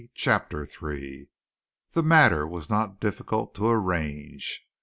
CHAPTER III The matter was not difficult to arrange.